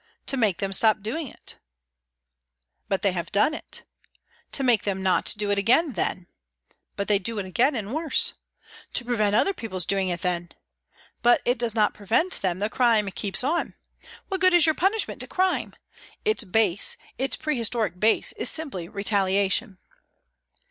' To make them stop doing it !'' But they have done it.' To make them not do it again, then.' ' But they 334 PRISONS AND PRISONERS do it again and worse.' ' To prevent other people's doing it, then.' But it does not prevent them the crime keeps on. What good is your punishment to crime ? Its base, its prehistoric base, is simply retaliation."